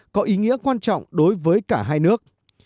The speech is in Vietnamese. có ý nghĩa quan trọng đối với cả hai nước